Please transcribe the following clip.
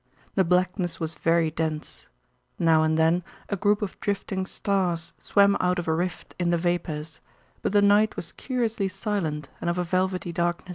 The blackness was very dense. Now and then a group of drifting stars swam out of a rift in the vapors, but the night was curiously silent and of a velvety darkness.